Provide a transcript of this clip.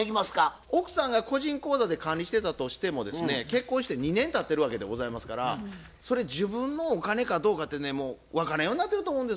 奥さんが個人口座で管理してたとしてもですね結婚して２年たってるわけでございますからそれ自分のお金かどうかってねもう分からんようなってると思うんです。